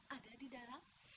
ada di dalam